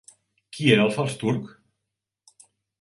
Qui era el fals turc?